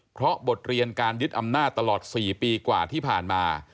เพราะบทเรียนการยึดอำนาจตลอด๔ปีกว่าที่ผ่านมา